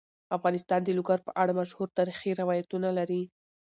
افغانستان د لوگر په اړه مشهور تاریخی روایتونه لري.